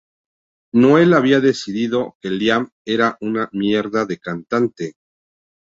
Noel había decidido que Liam era una mierda de cantante.